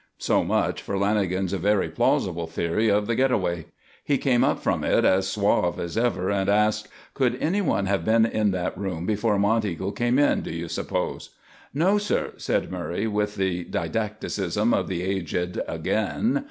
So much for Lanagan's very plausible theory of the "get away." He came up from it as suave as ever and asked: "Could anyone have been in that room before Monteagle came in, do you suppose?" "No, sir," said Murray, with the didacticism of the aged again.